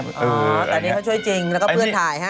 แต่อันนี้เขาช่วยจริงแล้วก็เพื่อนถ่ายให้